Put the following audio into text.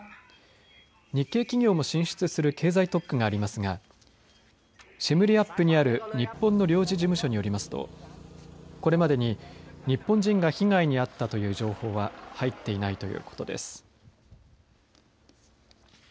日系企業も進出する経済特区がありますがシェムリアップにある日本の領事事務所によりますとこれまでに日本人が被害に遭ったという情報は入っていないということです。